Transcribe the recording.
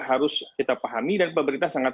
harus kita pahami dan pemerintah sangat